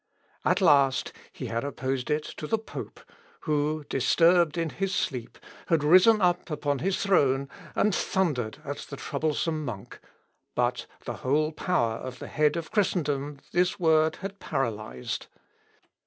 At last he had opposed it to the pope, who, disturbed in his sleep, had risen up upon his throne, and thundered at the troublesome monk; but the whole power of the head of Christendom this Word had paralysed.